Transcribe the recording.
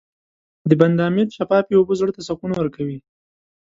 د بند امیر شفافې اوبه زړه ته سکون ورکوي.